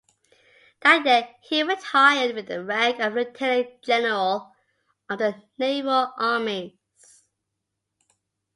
That year he retired with the rank of lieutenant general of the naval armies.